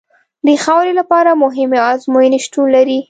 د خاورې لپاره مهمې ازموینې شتون لري